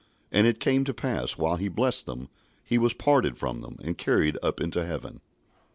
And it came to pass, while he blessed them, he was parted from them, and carried up into heaven."